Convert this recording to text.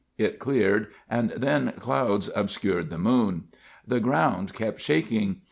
It cleared, and then clouds obscured the moon. The ground kept shaking.